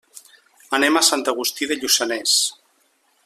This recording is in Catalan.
Anem a Sant Agustí de Lluçanès.